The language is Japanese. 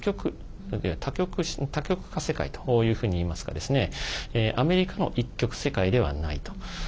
多極化世界というふうにいいますかアメリカの一極世界ではないと。